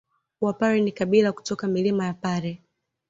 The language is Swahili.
Wapare ni kabila kutoka milima ya Pare